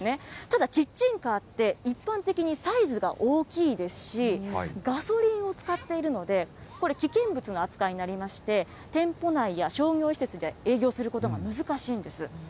ただキッチンカーって、一般的にサイズが大きいですし、ガソリンを使っているので、これ、危険物の扱いになりまして、店舗内や商業施設で営業することが難しいんです。